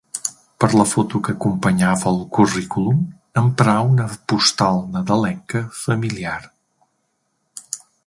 Per la foto que acompanyava el currículum emprà una postal nadalenca familiar.